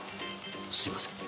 すいません。